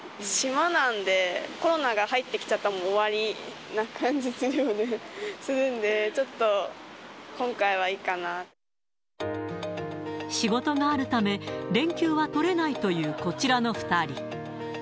島なんで、コロナが入ってきちゃったら終わりな感じするよね、するんで、仕事があるため、連休は取れないというこちらの２人。